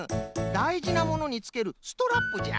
だいじなものにつけるストラップじゃ。